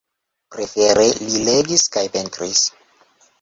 Prefere li legis kaj pentris.